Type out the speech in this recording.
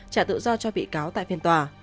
trả tự do cho bị cáo tại phiên tòa